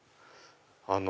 あの。